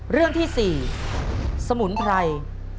เรื่องที่๔สมุนไพร